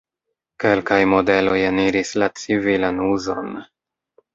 Kelkaj modeloj eniris la civilan uzon.